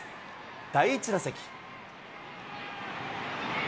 第１打席。